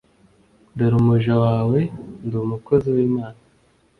dore umuja wawe ndi umukozi w’imana